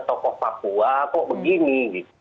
tokoh papua kok begini